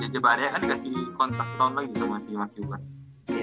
jeb aria kan dikasih kontak satu tahun lagi gitu masih masih juga